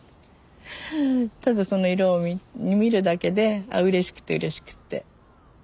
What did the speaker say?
ただその色を見るだけでうれしくてうれしくって。